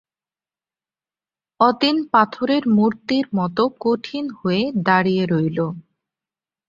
অতীন পাথরের মূর্তির মতো কঠিন হয়ে দাঁড়িয়ে রইল।